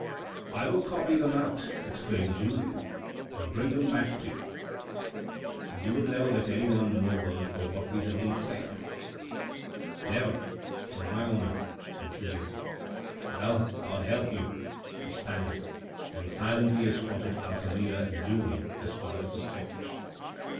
" I will copy them out," exclaimed Julien, " and bring them back to you." " And you will never let anyone know a word of what we have been saying." THE MINISTRY OF VIRTUE 411 " Never, on my honour," cried Julien. " Well, God help you," added the Spaniard, and he silently escorted Altamira and Julien as far as the staircase.